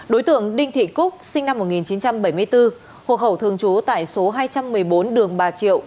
đối tượng đinh thị cúc sinh năm một nghìn chín trăm bảy mươi bốn hộ khẩu thường trú tại số hai trăm một mươi bốn đường bà triệu